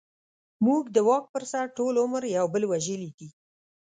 موږ د واک پر سر ټول عمر يو بل وژلې دي.